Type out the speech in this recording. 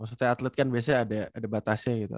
maksudnya atlet kan biasanya ada batasnya gitu